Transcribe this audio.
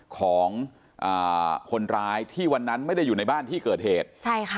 ของอ่าคนร้ายที่วันนั้นไม่ได้อยู่ในบ้านที่เกิดเหตุใช่ค่ะ